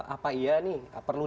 apa iya nih perlu